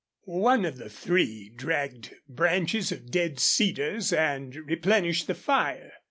One of the three dragged branches of dead cedars and replenished the fire.